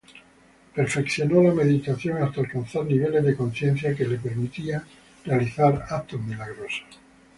Perfeccionó la meditación hasta alcanzar niveles de conciencia que le permitían realizar actos milagrosos.